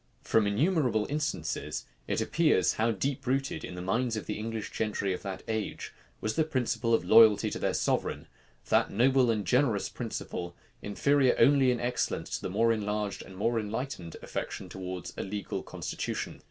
From innumerable instances, it appears how deep rooted, in the minds of the English gentry of that age, was the principle of loyalty to their sovereign; that noble and generous principle, inferior only in excellence to the more enlarged and more enlightened affection towards a legal constitution.